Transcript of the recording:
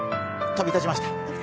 飛び立ちました。